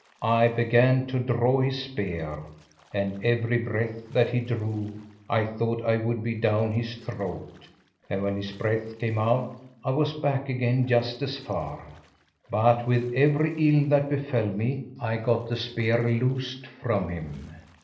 I began to draw his spear and every breath that he drew I thought I would be down his throat, and when his breath came out I was back again just as far. But with every ill that befell me I got the spear loosed from him.